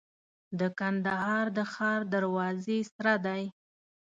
د کندهار د ښار دروازې سره دی.